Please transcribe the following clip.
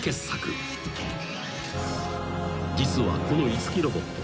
［実はこの五木ロボット］